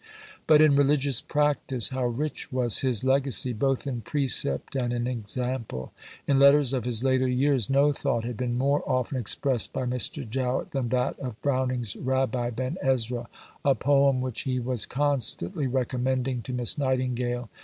But in religious practice, how rich was his legacy both in precept and in example! In letters of his later years, no thought had been more often expressed by Mr. Jowett than that of Browning's Rabbi Ben Ezra a poem which he was constantly recommending to Miss Nightingale.